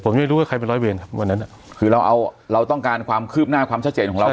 ผมไม่รู้ว่าใครเป็นร้อยเวรครับวันนั้นคือเราเอาเราต้องการความคืบหน้าความชัดเจนของเรา